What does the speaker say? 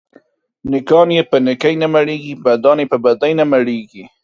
نيکان يې په نيکي نه مړېږي ، بدان يې په بدي نه مړېږي.